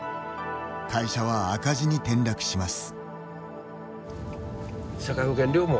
会社は赤字に転落します。